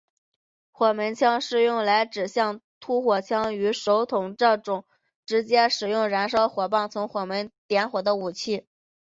火门枪是用来指像突火枪与手铳这种直接使用燃烧的火棒从火门点火的火器。